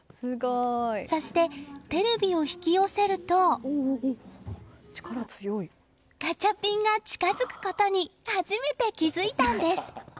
そして、テレビを引き寄せるとガチャピンが近づくことに初めて気づいたんです。